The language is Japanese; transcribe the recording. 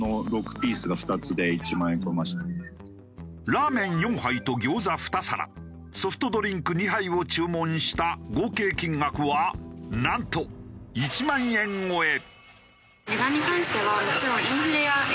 ラーメン４杯と餃子２皿ソフトドリンク２杯を注文した合計金額はなんと１万円超え。